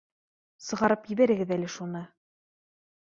— Сығарып ебәрегеҙ әле шуны